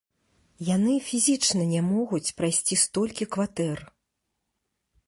Яны фізічна не могуць прайсці столькі кватэр.